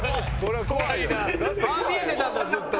ああ見えてたんだずっと。